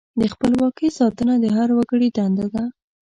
د خپلواکۍ ساتنه د هر وګړي دنده ده.